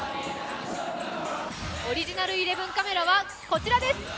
オリジナルイレブンカメラはこちらです。